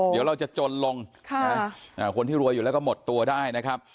เดี๋ยวเราจะจนลงคนที่รวยอยู่แล้วก็หมดตัวได้นะครับ